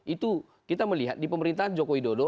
itu kita melihat di pemerintahan jokowi dodo